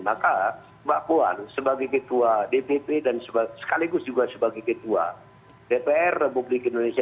maka mbak puan sebagai ketua dpp dan sekaligus juga sebagai ketua dpr republik indonesia